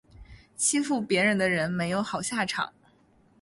欺负别人的人没有好下场